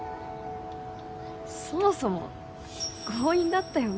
そもそも強引だったよね